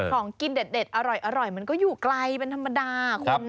ของกินเด็ดอร่อยมันก็อยู่ไกลเป็นธรรมดาคุณนะ